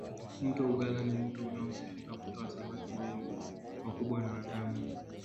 mto ugala ni mto unaosifika kutoa samaki wengi wakubwa na watamu